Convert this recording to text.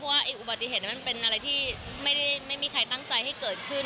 ว่าอุบัติเหตุนั้นมันเป็นอะไรที่ไม่มีใครตั้งใจให้เกิดขึ้น